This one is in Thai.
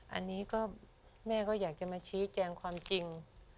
อันนี้ก็แม่ก็อยากจะมาชี้แจงความจริง